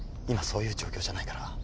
今そういう状況じゃないから。